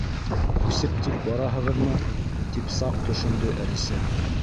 —Күсеп тик бараһығыҙмы? —тип саҡ төшөндө Әлисә.